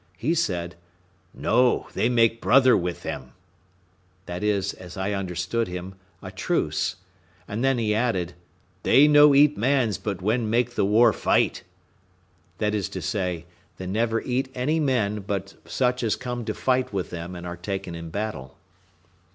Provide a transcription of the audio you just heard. He said, "No, they make brother with them;" that is, as I understood him, a truce; and then he added, "They no eat mans but when make the war fight;" that is to say, they never eat any men but such as come to fight with them and are taken in battle.